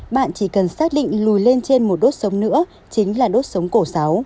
bạn chỉ cần xác định lùi lên trên một đốt sống nữa chính là đốt sống cổ sáu